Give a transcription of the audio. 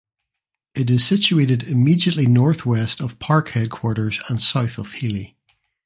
It is situated immediately northwest of park headquarters and south of Healy.